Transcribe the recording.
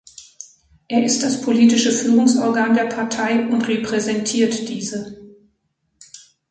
Er ist das politische Führungsorgan der Partei und repräsentiert diese.